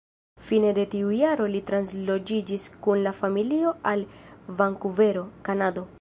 Fine de tiu jaro li transloĝiĝis kun la familio al Vankuvero, Kanado.